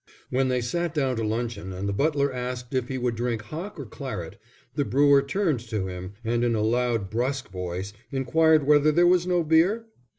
When they sat down to luncheon and the butler asked if he would drink hock or claret, the brewer turned to him and in a loud, brusque voice inquired whether there was no beer.